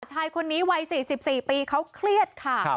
ชายคนนี้วัย๔๔ปีเขาเครียดค่ะ